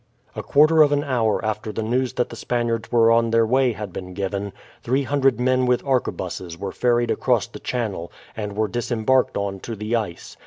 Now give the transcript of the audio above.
A quarter of an hour after the news that the Spaniards were on their way had been given, three hundred men with arquebuses were ferried across the channel, and were disembarked on to the ice.